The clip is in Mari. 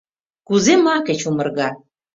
Кузе маке чумырга?